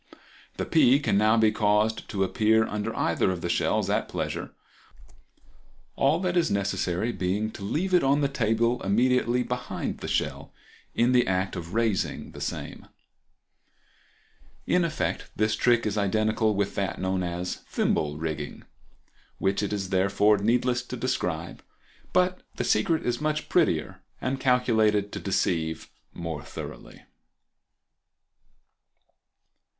The pea can now be caused to appear under either of the shells at pleasure, all that is necessary being to leave it on the table immediately behind the shell in the act of raising the same. In effect this trick is identical with that known as "Thimble Rigging," which it is therefore needless to describe, but the secret is much prettier and calculated to deceive more thoroughly.